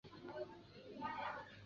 黄志贤出生在中国大陆。